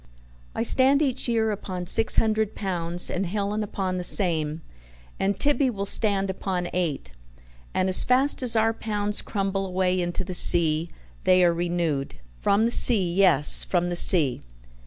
I stand each year upon six hundred pounds, and Helen upon the same, and Tibby will stand upon eight, and as fast as our pounds crumble away into the sea they are renewed from the sea, yes, from the sea.